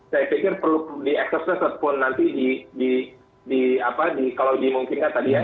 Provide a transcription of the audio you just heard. saya pikir perlu diekses ataupun nanti kalau dimungkinkan tadi ya